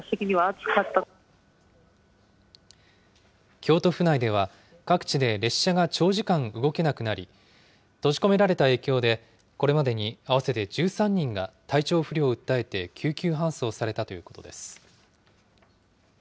京都府内では、各地で列車が長時間動けなくなり、閉じ込められた影響で、これまでに合わせて１３人が体調不良を訴えて救急搬送されたということです。